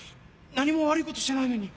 何も悪いことしてないのに